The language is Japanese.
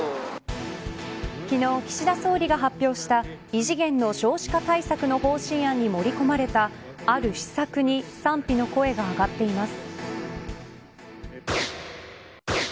昨日、岸田総理が発表した異次元の少子化対策の方針案に盛り込まれたある施策に賛否の声が上がっています。